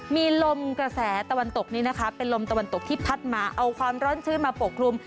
มีลมกระแสตะวันตกนี้นะคะเป็นลมตะวันตกที่พัดมาเอาความร้อนชื้นมาปกคลุม